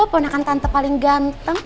pondakan tante paling ganteng